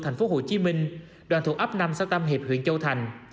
thành phố hồ chí minh đoàn thuộc ấp năm xã tam hiệp huyện châu thành